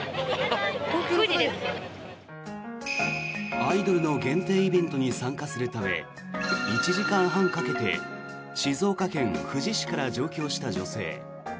アイドルの限定イベントに参加するため１時間半かけて静岡県富士市から上京した女性。